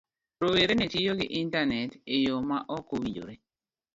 Rowere ne tiyo gi Intanet e yo ma ok owinjore.